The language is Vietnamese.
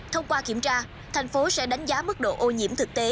thông qua kiểm tra tp hcm sẽ đánh giá mức độ ô nhiễm